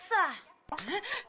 えっ。